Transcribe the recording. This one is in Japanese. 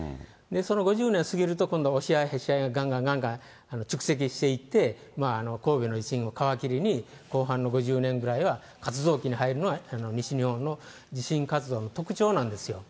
その５０年過ぎると、今度、押し合いへし合いがだんだんだんだん蓄積していって、神戸の地震、皮切りに、後半の５０年代は活動期に入るのが、西日本の地震活動の特徴なんですよ。